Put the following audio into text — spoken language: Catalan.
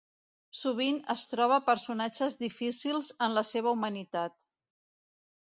Sovint es troba personatges difícils en la seva humanitat.